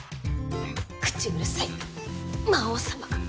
口うるさい魔王様が。